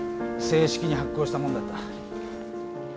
正式に発行したもんだった。